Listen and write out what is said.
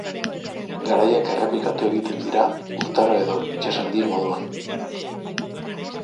Garaiak errepikatu egiten dira, urtaro edo itsasaldien moduan.